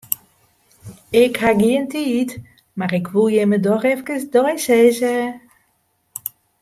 Ik haw gjin tiid, mar 'k woe jimme doch efkes deisizze.